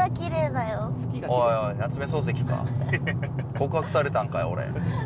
告白されたんかい俺。